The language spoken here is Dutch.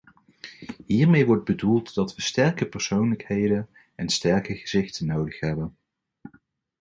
Hiermee wordt bedoeld dat we sterke persoonlijkheden en sterke gezichten nodig hebben.